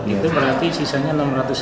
itu berarti sisanya enam ratus sekian ya